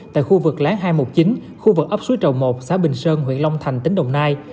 tại khu vực láng hai trăm một mươi chín khu vực ấp suối rầu một xã bình sơn huyện long thành tỉnh đồng nai